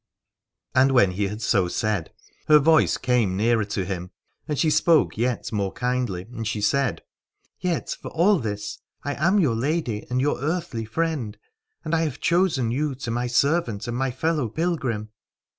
And when he had so said her voice came nearer to him, and she spoke yet more kindly, and she said : Yet for all this I am your lady and your earthly friend, and I have chosen you to my servant and my fellow pilgrim.